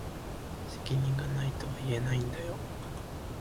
責任が無いとは言えないんだよ。